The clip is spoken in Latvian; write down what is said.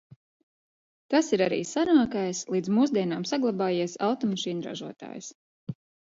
Tas ir arī senākais līdz mūsdienām saglabājies automašīnu ražotājs.